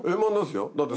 だって。